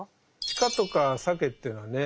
シカとかサケっていうのはね